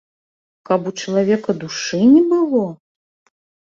Каб у чалавека душы не было?